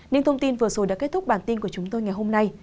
những thông tin vừa rồi đã kết thúc bản tin của chúng tôi ngày hôm nay